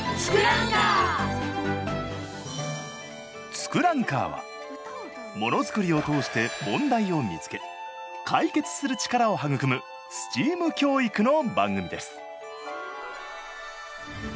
「ツクランカー」はものづくりを通して問題を見つけ解決する力を育むＳＴＥＡＭ教育の番組です。